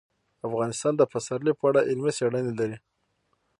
افغانستان د پسرلی په اړه علمي څېړنې لري.